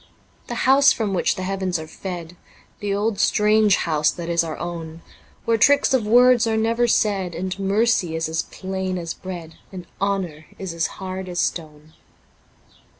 6 The house from which the heavens are fed, The old strange house that is our own, Where tricks of words are never said, And Mercy is as plain as breac), And Honour is as hard as stone.